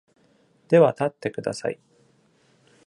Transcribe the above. では立ってください。